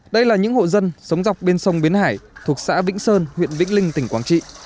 đây là những hộ dân sống dọc bên sông biến hải thuộc xã vĩnh sơn huyện vĩnh linh tỉnh quảng trị